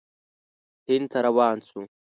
هند ته روان شو.